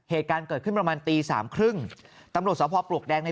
เหตุการณ์เกิดขึ้นประมาณตีสามครึ่งตำรวจสภปลวกแดงใน